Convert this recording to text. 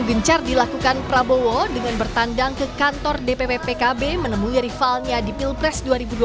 gencar dilakukan prabowo dengan bertandang ke kantor dpp pkb menemui rivalnya di pilpres dua ribu dua puluh